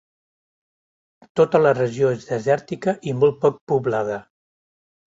Tota la regió és desèrtica i molt poc poblada.